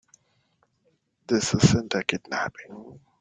This isn't a kidnapping.